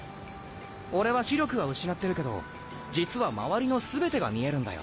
俺は視力は失ってるけど実は周りの全てが見えるんだよ。